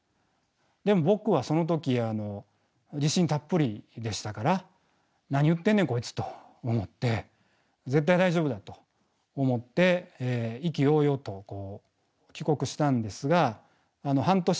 でも僕はその時自信たっぷりでしたから「何言ってんねんこいつ」と思って絶対大丈夫だと思って意気揚々と帰国したんですが半年するとＰＡＤになりました。